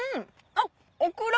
あっオクラ！